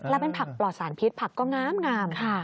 แล้วเป็นผักปลอดสารพิษผักก็งามค่ะ